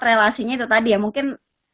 relasinya itu tadi ya mungkin